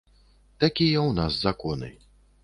Такія ў нас законы.